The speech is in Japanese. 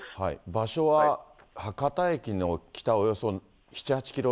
場所は博多駅の北、およそ７、８キロ。